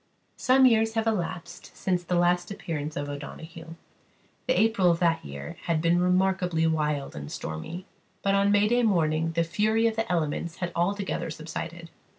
Some years have elapsed since the last appearance of O'Donoghue. The April of that year had been remarkably wild and stormy; but on May morning the fury of the elements had altogether subsided.